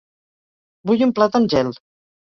Vull un plat amb gel.